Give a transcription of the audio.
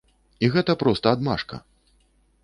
І гэта проста адмашка.